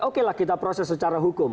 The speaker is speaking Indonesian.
oke lah kita proses secara hukum